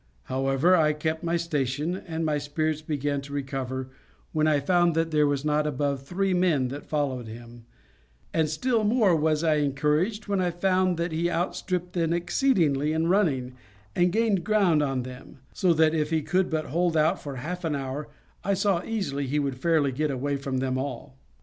However, I kept my station, and my spirits began to recover when I found that there was not above three men that followed him; and still more was I encouraged when I found that he outstripped them exceedingly in running, and gained ground on them; so that, if he could but hold out for half an hour, I saw easily he would fairly get away from them all.